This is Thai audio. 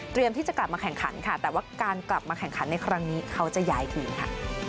ที่จะกลับมาแข่งขันค่ะแต่ว่าการกลับมาแข่งขันในครั้งนี้เขาจะย้ายทีมค่ะ